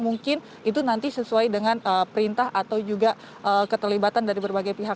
mungkin itu nanti sesuai dengan perintah atau juga keterlibatan dari berbagai pihak